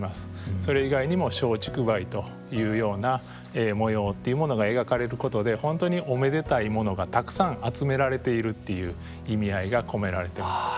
それ以外にも松竹梅というような模様っていうものが描かれることで本当におめでたいものがたくさん集められているっていう意味合いが込められています。